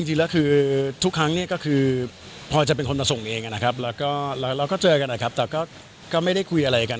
ก็จริงแล้วคือทุกครั้งก็คือพอจะเป็นคนมาส่งเองแล้วก็เจอกันแต่ก็ไม่ได้คุยอะไรกัน